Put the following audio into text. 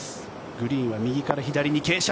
グリーンは右から左に傾斜。